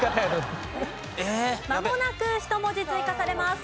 まもなく１文字追加されます。